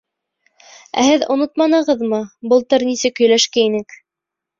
Ә һеҙ онотманығыҙмы, былтыр нисек һөйләшкәйнек?